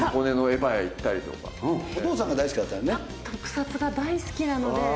特撮が大好きなので。